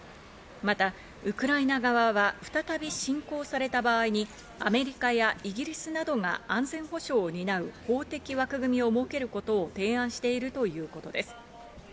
またウクライナ側は再び侵攻された場合にアメリカやイギリスなどが安全保障を担う法的枠組みを設けることを提案しているということです。